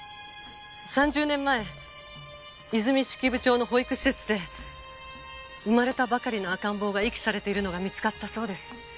３０年前和泉式部町の保育施設で生まれたばかりの赤ん坊が遺棄されているのが見つかったそうです。